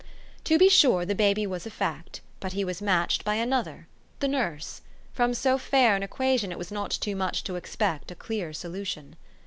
To be sure the baby was a fact; but he was matched by another, the nurse : from so fair an equation it was not too much to expect a clear solu tion.